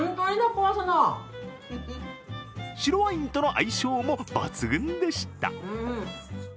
白ワインとの相性も抜群でした。